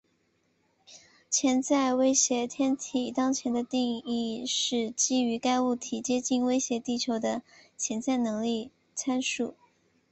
潜在威胁天体当前的定义是基于该物体接近威胁地球的潜在能力参数。